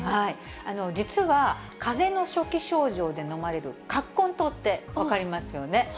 実はかぜの初期症状で飲まれる葛根湯って分かりますよね。